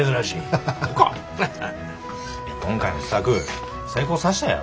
今回の試作成功さしたいやろ。